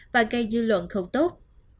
và gây dư luận không tốt